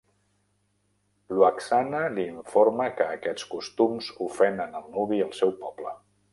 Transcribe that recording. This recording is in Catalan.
Lwaxana li informa que aquests costums ofenen el nuvi i el seu poble.